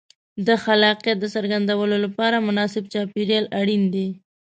د خلاقیت د څرګندولو لپاره مناسب چاپېریال اړین دی.